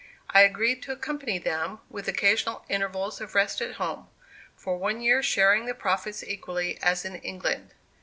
I agreed to accompany them, with occasional intervals of rest at home, for one year, sharing the profits equally, as in England.